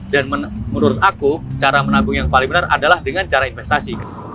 dan menurut aku cara menabung yang paling benar adalah dengan cara investasi